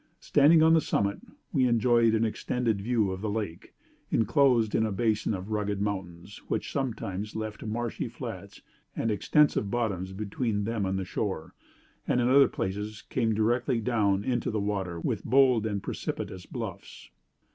Standing on the summit, we enjoyed an extended view of the lake, inclosed in a basin of rugged mountains, which sometimes left marshy flats and extensive bottoms between them and the shore, and in other places came directly down into the water with bold and precipitous bluffs.